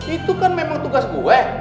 itu kan memang tugas gue